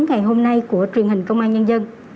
ngày hôm nay của truyền hình công an nhân dân